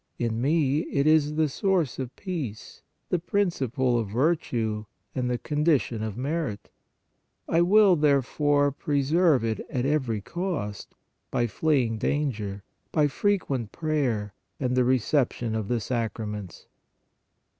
In me it is the source of peace, the principle of virtue, and the condition of merit. I will, therefore, preserve it at every cost by fleeing danger, by frequent prayer and the reception of the sacraments.